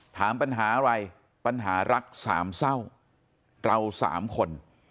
ถามปัญหาอะไรปัญหารักสามเศร้าเราสามคน